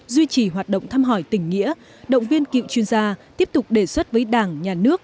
duy trì hoạt động thăm hỏi tình nghĩa động viên cựu chuyên gia tiếp tục đề xuất với đảng nhà nước